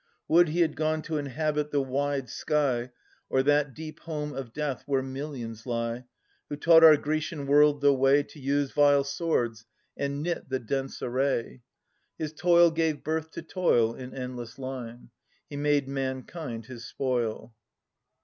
Would he had gone to inhabit the wide sky, Or that deep home of death where millions lie, Who taught our Grecian world the way To use vile swords and knit the dense array! His toil gave birth to toil In endless line. He made mankind his spoil.